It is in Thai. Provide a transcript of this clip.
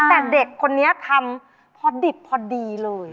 แต่เด็กคนนี้ทำพอดิบพอดีเลย